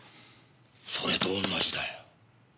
それと同じだよ。